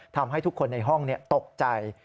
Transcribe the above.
ทำให้ทุกคนในห้องตกใจ